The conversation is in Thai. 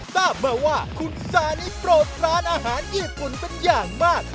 ทราบมาว่าคุณซานิโปรดร้านอาหารญี่ปุ่นเป็นอย่างมาก